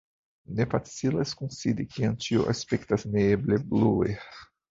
Ne facilas kunsidi, kiam ĉio aspektas neeble blue.